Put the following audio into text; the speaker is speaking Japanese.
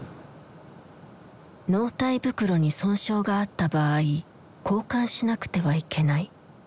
納体袋に損傷があった場合交換しなくてはいけない。